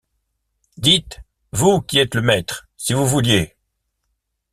Dites! vous qui êtes le maître, si vous vouliez !